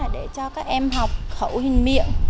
để cho các em học khẩu hình miệng